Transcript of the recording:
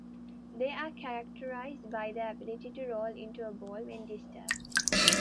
They are characterised by their ability to roll into a ball when disturbed.